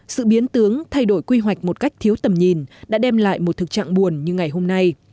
sự biến tướng thay đổi quy hoạch một cách thiếu tầm nhìn đã đem lại một thực trạng buồn như ngày hôm nay